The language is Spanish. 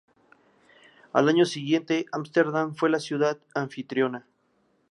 Al año siguiente, Ámsterdam fue la ciudad anfitriona.